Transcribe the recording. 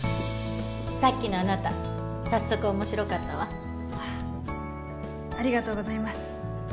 さっきのあなた早速面白かったわありがとうございます